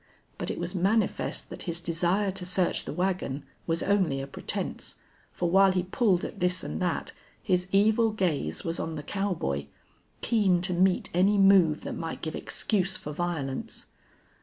But it was manifest that his desire to search the wagon was only a pretense, for while he pulled at this and that his evil gaze was on the cowboy, keen to meet any move that might give excuse for violence.